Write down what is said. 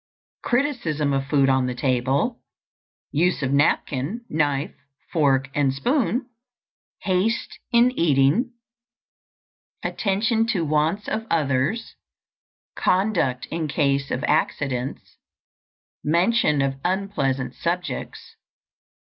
_ Criticism of food on the table. Use of napkin, knife, fork, and spoon. Haste in eating. Attention to wants of others. Conduct in case of accidents. _Mention of unpleasant subjects.